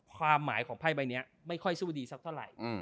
ความหมายของไพ่ใบนี้ไม่ค่อยสู้ดีสักเท่าไหร่